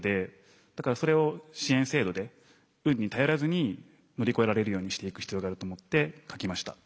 だからそれを支援制度で運に頼らずに乗り越えられるようにしていく必要があると思って書きました。